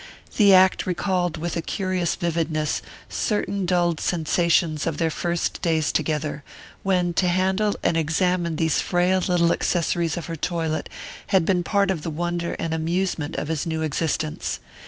The act recalled with a curious vividness certain dulled sensations of their first days together, when to handle and examine these frail little accessories of her toilet had been part of the wonder and amusement of his new existence.